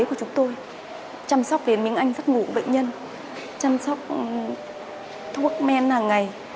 chăm sóc đến những anh giác ngũ bệnh nhân chăm sóc thuốc men hàng ngày